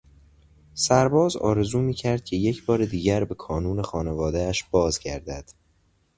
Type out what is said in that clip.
سرباز آرزو میکرد که یکبار دیگر به کانون خانوادهاش باز گردد.